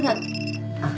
あっ。